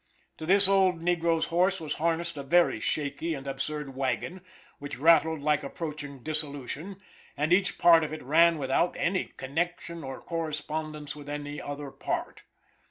To this old negro's horse was harnessed a very shaky and absurd wagon, which rattled like approaching dissolution, and each part of it ran without any connection or correspondence with any other part.